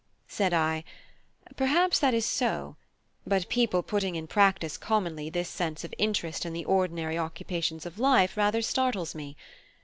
Said I: "Perhaps that is so; but people putting in practice commonly this sense of interest in the ordinary occupations of life rather startles me.